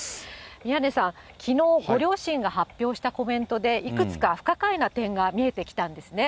宮根さん、きのう、ご両親が発表したコメントで、いくつか不可解な点が見えてきたんですね。